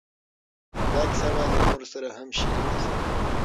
دا کیسه باید له نورو سره هم شریکه شي.